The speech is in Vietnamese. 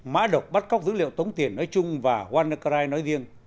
mã độc bắt cóc dữ liệu tống tiền nói chung và wannakarai nói riêng